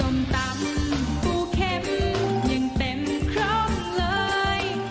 สมตำปูเข็มยังเต็มครอบเลย